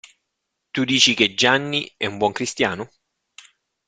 Tu dici che Gianni è un buon cristiano?